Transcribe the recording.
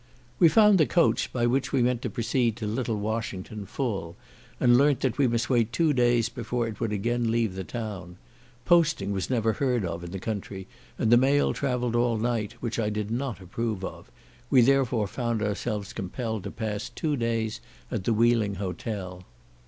We found the coach, by which we meant to proceed to Little Washington, full, and learnt that we must wait two days before it would again leave the town. Posting was never heard of in the country, and the mail travelled all night, which I did not approve of; we therefore found ourselves compelled to pass two days at the Wheeling hotel.